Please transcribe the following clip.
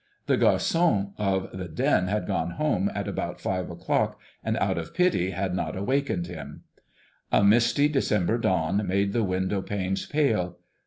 The garçon of the den had gone home at about five o'clock, and out of pity had not wakened him. A misty December dawn made the window panes pale.